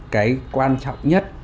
cái quan trọng nhất